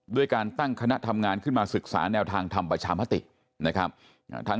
ด้วยการตั้งคณะทำงานขึ้นมาศึกษาแนวทางทำประชามตินะครับ